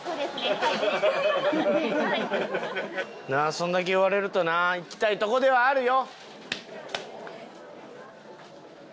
そんだけ言われるとないきたいとこではあるよ。